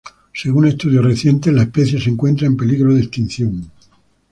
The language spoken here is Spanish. Según estudios recientes, la especie se encuentra en peligro de extinción.